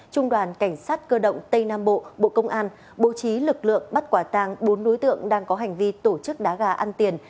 trung đoàn cảnh sát cơ động tây nam bộ bộ công an bố trí lực lượng bắt quả tàng bốn đối tượng đang có hành vi tổ chức đá gà ăn tiền